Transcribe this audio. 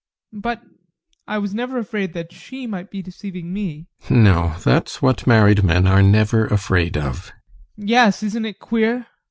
But I was never afraid that she might be deceiving me GUSTAV. No, that's what married men are never afraid of. ADOLPH. Yes, isn't it queer?